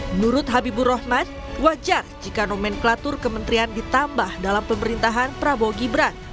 menurut habibur rahman wajar jika nomenklatur kementerian ditambah dalam pemerintahan prabowo gibran